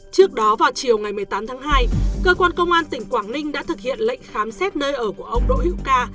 trước đó vào chiều ngày một mươi tám tháng hai cơ quan công an tỉnh quảng ninh đã thực hiện lệnh khám xét nơi ở của ông đỗ hữu ca